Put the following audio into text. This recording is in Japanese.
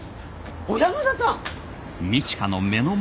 小山田さん！